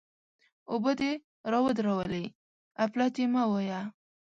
اوبه دې را ودرولې؛ اپلاتي مه وایه!